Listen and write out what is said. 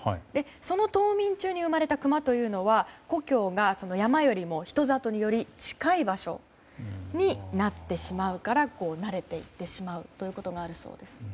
その冬眠中に生まれたクマというのは故郷が山よりも人里により近い場所になってしまうから慣れていってしまうということがあるそうです。